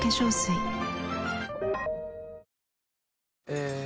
え